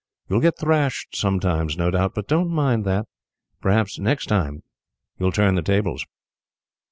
You will get thrashed sometimes, no doubt, but don't mind that. Perhaps, next time, you will turn the tables."